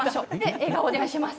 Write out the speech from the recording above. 笑顔で、お願いします。